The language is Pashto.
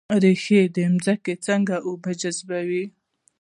ریښې د ځمکې څخه اوبه جذبوي